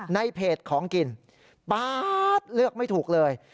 ในเพจของกินป๊าดเลือกไม่ถูกเลย